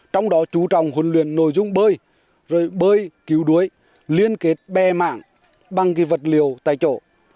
trong đó chú trọng huấn luyện nội dung bơi rồi bơi cứu đuối liên kết bè mạng bằng cái vật liệu tại chỗ